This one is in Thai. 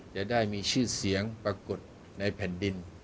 จะได้มีชื่อเสียงปรากฏในแผ่นดิน